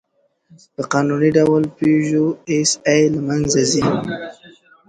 په قانوني ډول «پيژو ایسآی» له منځه ځي.